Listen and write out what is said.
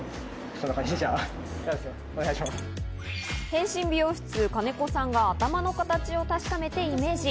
変身美容室、金子さんが頭の形を確かめてイメージ。